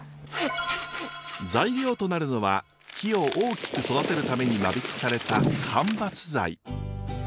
材料となるのは木を大きく育てるために間引きされた間伐材。